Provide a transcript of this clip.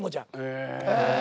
へえ。